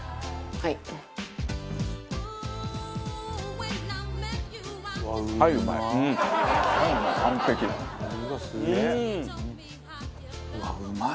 はいうまい。